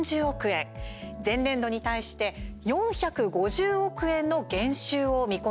前年度に対して４５０億円の減収を見込んでいます。